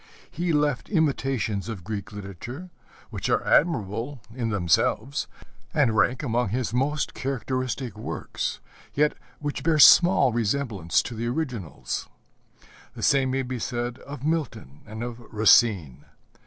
He left imitations of Greek literature which are admirable in themselves, and rank among his most characteristic works, yet which bear small resemblance to the originals. The same may be said of Milton and of Racine.